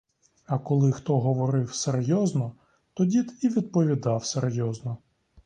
А коли хто говорив серйозно, то дід і відповідав серйозно.